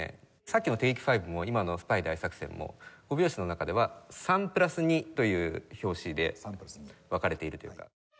さっきの『テイク・ファイヴ』も今の『スパイ大作戦』も５拍子の中では３プラス２という拍子で分かれているというか。